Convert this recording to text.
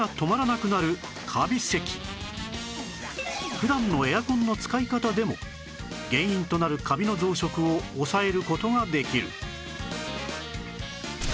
普段のエアコンの使い方でも原因となるカビの増殖を抑える事ができる